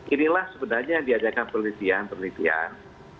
inilah sebenarnya yang diadakan penelitian penelitian